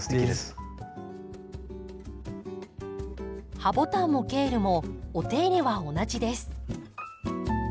ハボタンもケールもお手入れは同じです。